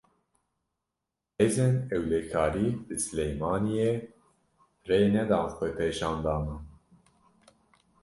Hêzên Ewlekarî, li Silêmaniyê rê nedan xwepêşandanan